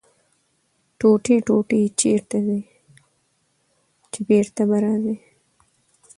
ـ ټوټې ټوټې چېرته ځې ،چې بېرته به راځې.